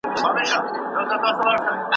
واکمن او بزګر جلا وو.